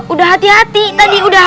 udah hati hati tadi udah